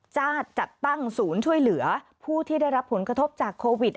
จัดตั้งศูนย์ช่วยเหลือผู้ที่ได้รับผลกระทบจากโควิด